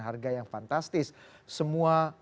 harga yang fantastis semua